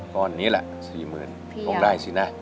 ก้อนนี้แหละ๔๐๐๐คงได้สินะ